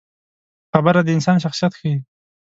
خبره د انسان شخصیت ښيي.